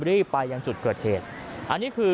รีบไปยังจุดเกิดเหตุ